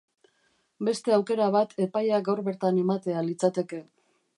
Beste aukera bat epaia gaur bertan ematea litzateke.